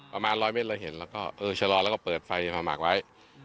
ประมาณร้อยเมตรเราเห็นแล้วก็เออชะลอแล้วก็เปิดไฟมาหมักไว้